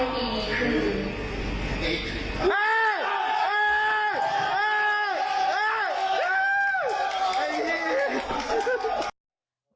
และเรื่องนั้นไม่ดีคือ๘เดือน